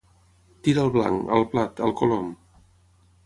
Tir al blanc, al plat, al colom.